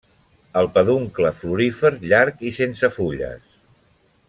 El peduncle florífer llarg i sense fulles.